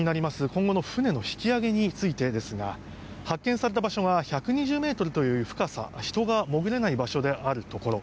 今後の船の引き揚げについてですが発見された場所が１２０ｍという深さで人が潜れない場所であるところ。